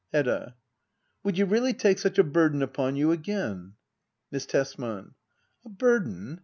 Hedda. Would you really take such a burden upon you again? Miss Tesman. A burden